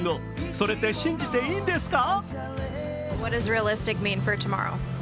それって信じていいんですか？